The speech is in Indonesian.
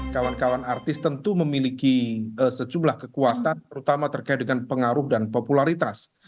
kawan kawan artis tentu memiliki sejumlah kekuatan terutama terkait dengan pengaruh dan popularitas